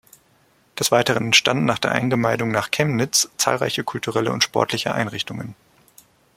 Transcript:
Des Weiteren entstanden nach der Eingemeindung nach Chemnitz zahlreiche kulturelle und sportliche Einrichtungen.